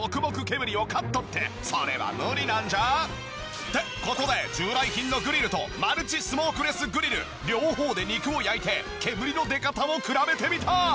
煙をカットってそれは無理なんじゃ？って事で従来品のグリルとマルチスモークレスグリル両方で肉を焼いて煙の出方を比べてみた！